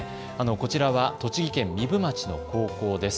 こちらは栃木県壬生町の高校です。